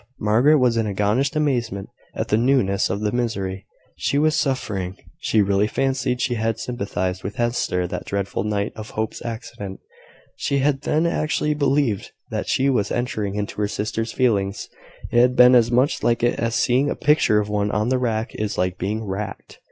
Margaret was in agonised amazement at the newness of the misery she was suffering. She really fancied she had sympathised with Hester that dreadful night of Hope's accident: she had then actually believed that she was entering into her sister's feelings. It had been as much like it as seeing a picture of one on the rack is like being racked.